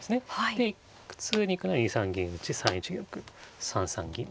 で普通に行くなら２三銀打３一玉３三銀成。